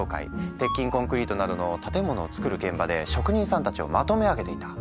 鉄筋コンクリートなどの建物を造る現場で職人さんたちをまとめ上げていた。